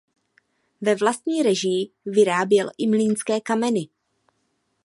Ve vlastní režii vyráběl i mlýnské kameny.